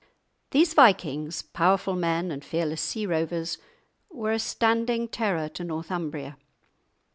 These vikings, powerful men and fearless sea rovers, were a standing terror to Northumbria.